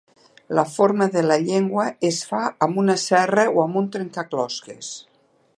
La forma de la llengua es fa amb una serra o un trencaclosques.